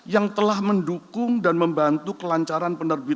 yang telah mendukung dan membantu kami mencapai uang rupiah tahun emisi dua ribu enam belas